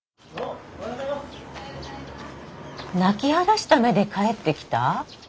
・泣き腫らした目で帰ってきた？